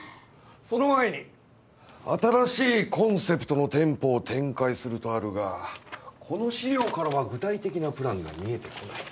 その前に「新しいコンセプトの店舗を展開する」とあるがこの資料からは具体的なプランが見えてこない。